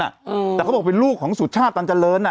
เออแต่เขาบอกเป็นลูกของสุชาติตันเจริญอ่ะ